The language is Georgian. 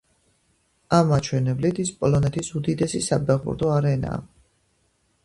ამ მაჩვენებლით ის პოლონეთის უდიდესი საფეხბურთო არენაა.